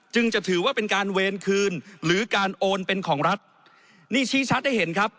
จะถือว่าเป็นการเวรคืนหรือการโอนเป็นของรัฐนี่ชี้ชัดให้เห็นครับ